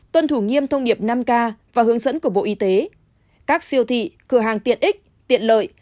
tuân thủ nghiêm thông điệp năm k và hướng dẫn của bộ y tế các siêu thị cửa hàng tiện ích tiện lợi